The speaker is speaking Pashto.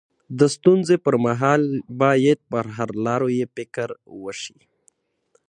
د ستونزي پر مهال باید پر حل لارو يې فکر وسي.